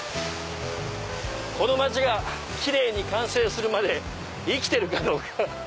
この街がキレイに完成するまで生きてるかどうか。